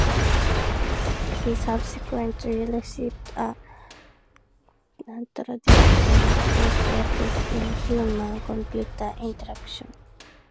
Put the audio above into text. He subsequently received a Ph.D from Georgia Tech in Human Computer Interaction.